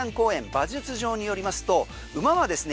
馬術場によりますと馬はですね